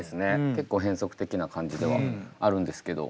結構変則的な感じではあるんですけど。